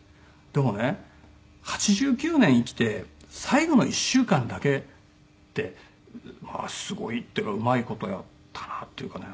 でもね８９年生きて最後の１週間だけってまあすごいっていうかうまい事やったなっていうかね。